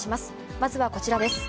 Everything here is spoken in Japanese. まずはこちらです。